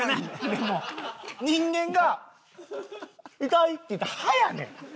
でも人間が「痛い」って言ったら歯やねん！